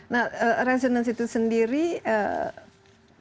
nah resonance itu sendiri sudah berhasil